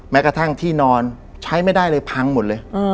แม้กระทั่งที่นอนใช้ไม่ได้เลยพังหมดเลย